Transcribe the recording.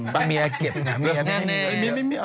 เป็นเมียเก็บไง